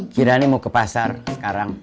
kirani mau ke pasar sekarang